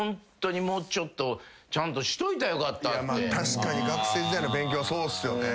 確かに学生時代の勉強はそうっすよね。